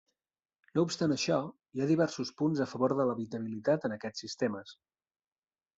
No obstant això, hi ha diversos punts a favor de l'habitabilitat en aquests sistemes.